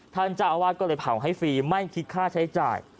ท่านเจ้าอาวาสก็เลยเผาให้ฟรีไม่คิดค่าใช้จ่าย